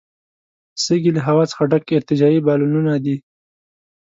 سږي له هوا څخه ډک ارتجاعي بالونونه دي.